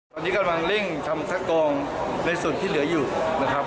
ตอนนี้กำลังเร่งทำซักโกงในส่วนที่เหลืออยู่นะครับ